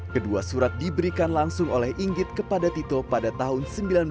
kedua surat diberikan langsung oleh inggit kepada tito pada tahun seribu sembilan ratus sembilan puluh